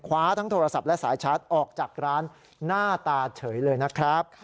คว้าทั้งโทรศัพท์และสายชาร์จออกจากร้านหน้าตาเฉยเลยนะครับ